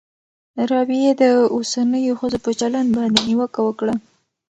رابعې د اوسنیو ښځو په چلند باندې نیوکه وکړه.